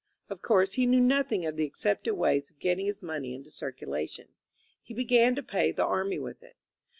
Of course he knew nothing of the accepted ways of getting his money into circulation. He began to pay the army with it.